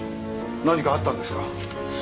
何かあったんですか？